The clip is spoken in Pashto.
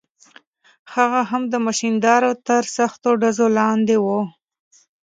هغه هم د ماشیندارو تر سختو ډزو لاندې و.